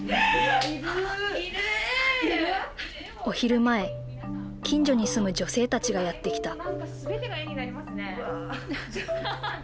お昼前近所に住む女性たちがやって来た。